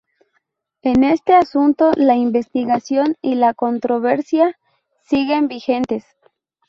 En este asunto, la investigación y la controversia siguen vigentes.